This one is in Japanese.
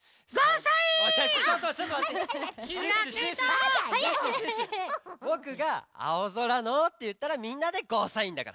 「開けドア」ぼくが「青空の」っていったらみんなで「ゴーサイン」だから。